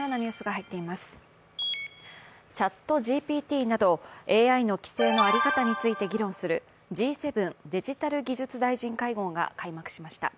ＣｈａｔＧＰＴなどＡＩの規制の在り方について議論するＧ７デジタル・技術大臣会合が開幕しました。